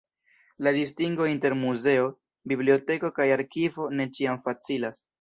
La distingo inter muzeo, biblioteko kaj arkivo ne ĉiam facilas.